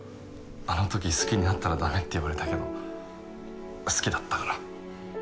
あの時好きになったら駄目って言われたけど好きだったから。